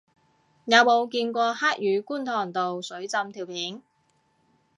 有冇見過黑雨觀塘道水浸條片